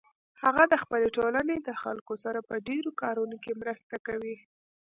هغه د خپلې ټولنې د خلکو سره په ډیرو کارونو کې مرسته کوي